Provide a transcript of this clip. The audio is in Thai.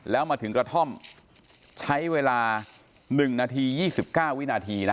แล้วมาถึงกระท่อมใช้เวลาหนึ่งนาทียี่สิบเก้าวินาทีนะ